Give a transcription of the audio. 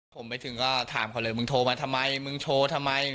ผมไปถึงก็ถามเขาเลยมึงโทรมาทำไมมึงโชว์ทำไม